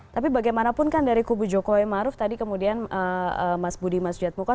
tapi bagaimanapun kan dari kubu jokowi maruf tadi kemudian mas budi mas jatmuko